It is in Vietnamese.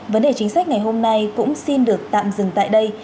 vấn đề chính sách ngày hôm nay cũng xin được tạm dừng tại đây